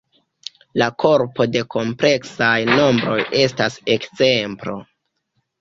La korpo de kompleksaj nombroj estas ekzemplo.